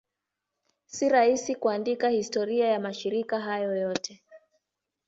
Si rahisi kuandika historia ya mashirika hayo yote.